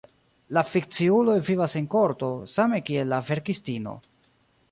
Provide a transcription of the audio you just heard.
La fikciuloj vivas en korto, same kiel la verkistino.